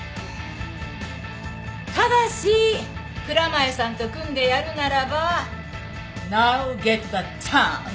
ただし蔵前さんと組んでやるならばナウゲッタチャンス！